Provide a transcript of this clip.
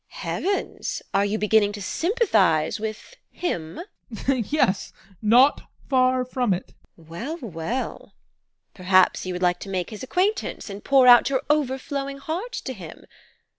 Heavens! Are you beginning to sympathise with him? ADOLPH. Yes, not far from it, TEKLA. Well, well! Perhaps you would like to make his acquaintance and pour out your overflowing heart to him?